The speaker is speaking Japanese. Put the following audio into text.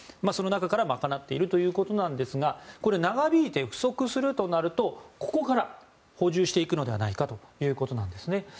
その中からまかなっているということなんですが長引いて不足するとなるとここから補充していくのではないかということです。